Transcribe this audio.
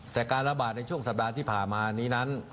แต่การระบาดในช่วงสัปดาห์ที่ผ่านมานี้นั้น